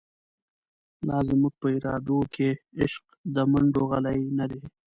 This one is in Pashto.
لا زموږ په ارادو کی، عشق د مڼډو غلۍ نه دۍ